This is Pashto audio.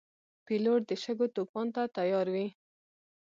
پیلوټ د شګو طوفان ته تیار وي.